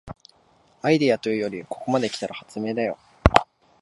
アイデアというよりここまで来たら発明だよ